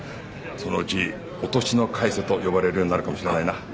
そのうち「落としの貝瀬」と呼ばれるようになるかもしれないな。